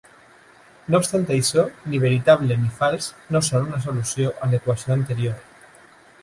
No obstant això, ni "veritable" ni "fals" no són una solució a l'equació anterior.